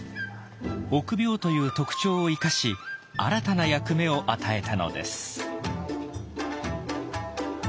臆病という特徴を生かし新たな役目を与えたのです。